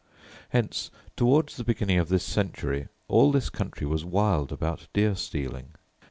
Hence, towards the beginning of this century, all this country was wild about deer stealing.